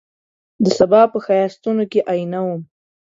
دسبا په ښایستون کي آئینه وم